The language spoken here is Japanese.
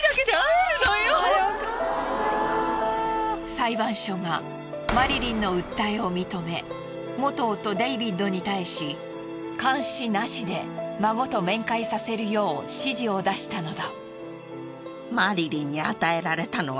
裁判所がマリリンの訴えを認め元夫デイビッドに対し監視なしで孫と面会させるよう指示を出したのだ。